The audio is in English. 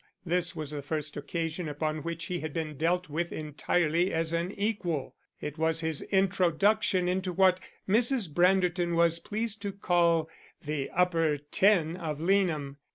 This was the first occasion upon which he had been dealt with entirely as an equal; it was his introduction into what Mrs. Branderton was pleased to call the upper ten of Leanham.